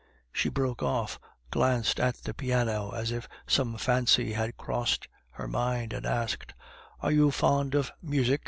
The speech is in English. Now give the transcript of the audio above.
She broke off, glanced at the piano as if some fancy had crossed her mind, and asked, "Are you fond of music, M.